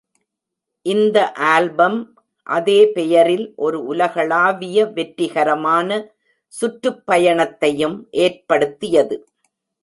இந்த ஆல்பம் அதே பெயரில் ஒரு உலகளாவிய வெற்றிகரமான சுற்றுப்பயணத்தயும் ஏற்படுத்தியது